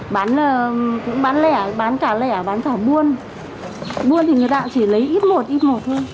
bán là cũng bán lẻ bán cả lẻ bán cả buôn buôn thì người ta chỉ lấy ít một ít một thôi